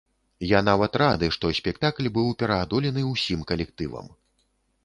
Я нават рады, што спектакль быў пераадолены ўсім калектывам.